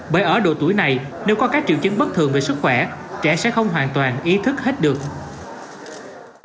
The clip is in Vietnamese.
bởi ở độ tuổi này nếu có các triệu chứng bất thường về sức khỏe trẻ sẽ không hoàn toàn ý thức hết được